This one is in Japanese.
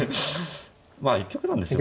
まあ一局なんですよ。